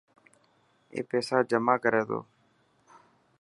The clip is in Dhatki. اي پيسا جمع ڪري تو.